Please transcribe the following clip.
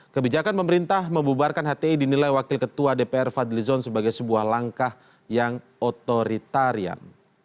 kebijakan pemerintah membubarkan hti dinilai wakil ketua dpr fadlizon sebagai sebuah langkah yang otoritarian